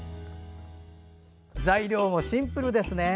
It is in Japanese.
材料もシンプルですね。